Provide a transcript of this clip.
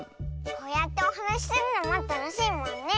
こうやっておはなしするのもたのしいもんね！